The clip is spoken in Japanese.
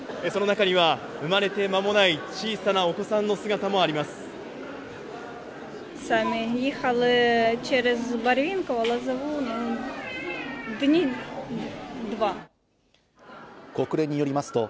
その中には生まれて間もない小さいお子さんの姿もあります。